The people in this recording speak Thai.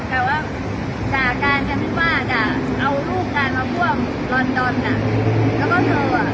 รายงานภาพปลาผิดข้าการประถมเมตตาในโพเชี่ยว